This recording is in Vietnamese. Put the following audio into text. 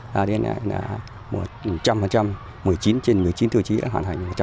một trăm linh một mươi chín trên một mươi chín tiêu chí đã hoàn thành